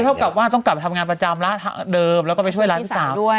ก็ต้องกลับว่าต้องกลับทำงานประจำแล้วเดิมแล้วก็ไปช่วยร้านที่๓ด้วย